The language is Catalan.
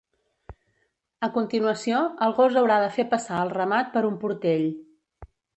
A continuació, el gos haurà de fer passar el ramat per un portell.